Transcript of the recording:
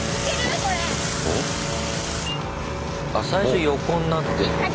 最初横になってるんだ。